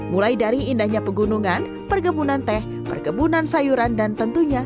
mulai dari indahnya pegunungan perkebunan teh perkebunan sayuran dan tentunya